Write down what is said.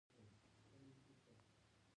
که څوک واک ولري، موږ غلی کېږو.